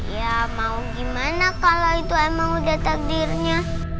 ya mau gimana kalau itu emang udah takdirnya